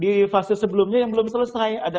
di fase sebelumnya yang belum selesai ada